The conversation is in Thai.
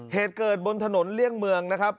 เหตุเกิดบนถนนเลี่ยงเมืองนะครับ